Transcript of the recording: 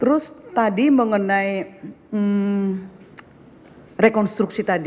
terus tadi mengenai rekonstruksi tadi